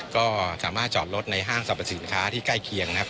ก็สามารถจอดรถในห้างสรรพสินค้าที่ใกล้เคียงนะครับ